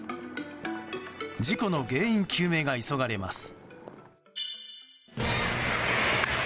事故の原因究明が急がれます。